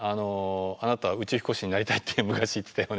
「あなた宇宙飛行士になりたいって昔言ってたよね」